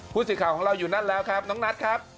ผู้สื่อข่าวของเราอยู่นั่นแล้วครับน้องนัทครับ